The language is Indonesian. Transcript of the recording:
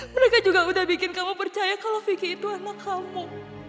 mereka juga udah bikin kamu percaya kalau vicky itu anak kamu